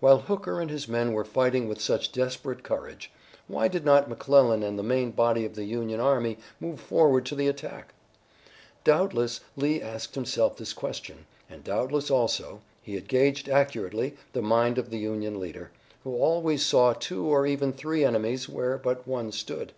While Hooker and his men were fighting with such desperate courage, why did not McClellan and the main body of the Union army move forward to the attack? Doubtless Lee asked himself this question, and doubtless also he had gauged accurately the mind of the Union leader, who always saw two or even three enemies where but one stood.